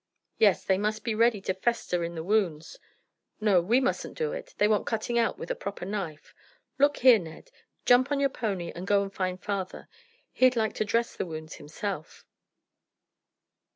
"Yes; they must be ready to fester in the wounds. No, we mustn't do it; they want cutting out with a proper knife. Look here, Ned; jump on your pony and go and find father. He'd like to dress the wounds himself."